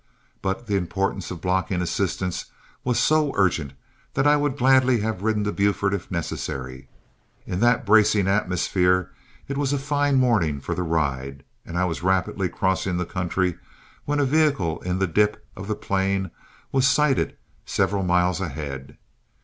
But the importance of blocking assistance was so urgent that I would gladly have ridden to Buford if necessary. In that bracing atmosphere it was a fine morning for the ride, and I was rapidly crossing the country, when a vehicle, in the dip of the plain, was sighted several miles ahead.